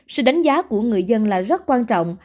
sự đánh giá của người dân là rất quan trọng